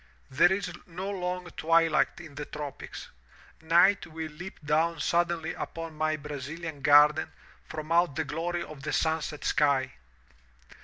There is no long twilight in the tropics. Night will leap down suddenly upon my Brazilian garden from out the glory of the sunset sky.